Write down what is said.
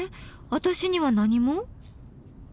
私には何も。